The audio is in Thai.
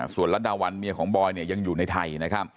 ส่วนลัดดาวันเมียของบอยยังอยู่ในไทย